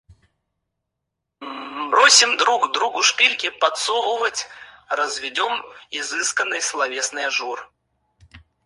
Бросим друг другу шпильки подсовывать, разведем изысканный словесный ажур.